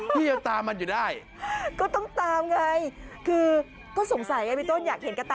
ที่ยังตามมันอยู่ได้ก็ต้องตามไงคือก็สงสัยพี่ต้นอยากเห็นกระตา